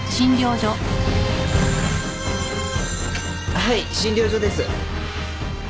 ☎はい診療所です。